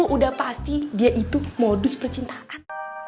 udah pasti dia itu modus percintaan